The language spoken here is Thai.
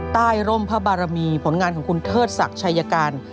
ร่มพระบารมีผลงานของคุณเทิดศักดิ์ชัยการ